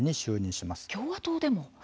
共和党でも。